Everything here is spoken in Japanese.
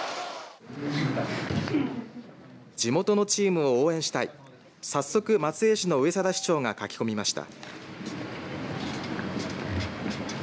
地元のチームを応援したい早速、松江市の上定市長が書き込みました。